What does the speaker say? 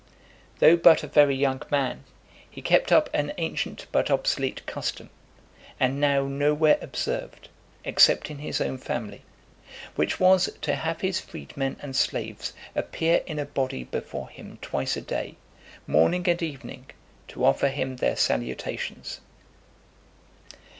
Though but a very young man, he kept up an ancient but obsolete custom, and now nowhere observed, except in his own family, which was, to have his freedmen and slaves appear in a body before him twice a day, morning and evening, to offer him their salutations.